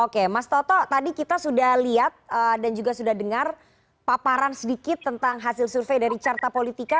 oke mas toto tadi kita sudah lihat dan juga sudah dengar paparan sedikit tentang hasil survei dari carta politika